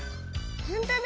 ほんとだ！